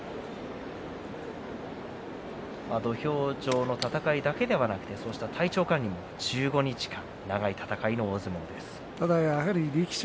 土俵上の戦いだけではなく体調管理、１５日間の戦いです。